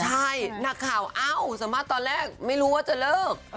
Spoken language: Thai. ใช่นักข่าวเอ้าสามารถตอนแรกไม่รู้ว่าจะเลิก